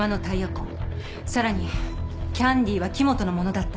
さらにキャンディーは木元のものだった。